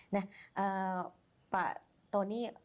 nah pak tony